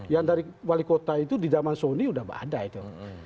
yang dari wali kota itu di zaman sony udah ada itu